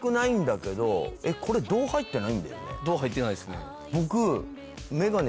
度入ってないですね。